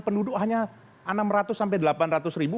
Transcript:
penduduk hanya enam ratus sampai delapan ratus ribu